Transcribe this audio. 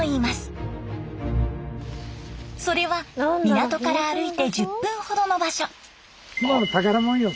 それは港から歩いて１０分ほどの場所。